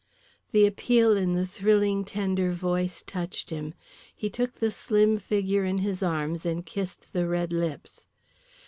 The appeal in the thrilling tender voice touched him. He took the slim figure in his arms and kissed the red lips.